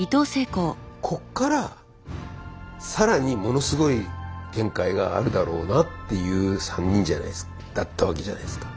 こっから更にものすごい展開があるだろうなっていう３人だったわけじゃないすか。